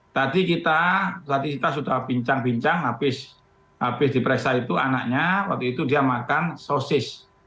tadi kita tadi kita sudah bincang bincang habis diperiksa itu anaknya waktu itu dia makan sosis